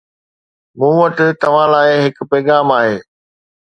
مون وٽ توهان لاءِ هڪ پيغام آهي